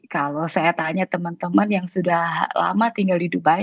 kalau saya tanya teman teman yang sudah lama tinggal di dubai